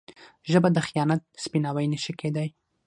ژبه د خیانت سپیناوی نه شي کېدای.